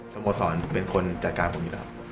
สโมสรเป็นคนจัดการผมอยู่แล้ว